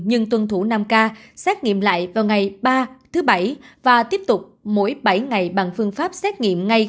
nhưng tuân thủ năm ca xét nghiệm lại vào ngày ba thứ bảy và tiếp tục mỗi bảy ngày bằng phương pháp xét nghiệm ngay